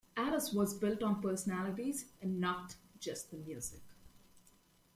Alice was built on personalities and not just the music.